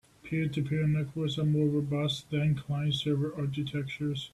Peer-to-peer networks are more robust than client-server architectures.